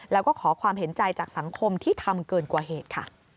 แล้วก็ขอความเห็นใจจากสังคมที่ทำเกินกว่าเหตุค่ะ